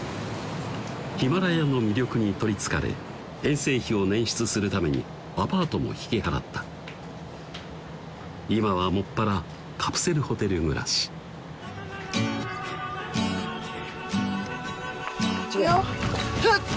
ヒマラヤの魅力に取りつかれ遠征費を捻出するためにアパートも引き払った今は専らカプセルホテル暮らし行くよふっ！